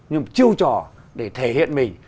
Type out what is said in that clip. như một chiêu trò để thể hiện mình